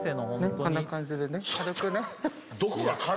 こんな感じでね軽くね。